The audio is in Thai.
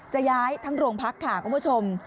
จะย้ายทั้งโรงพักรัฐนาธิเบศค่ะคุณผู้ชม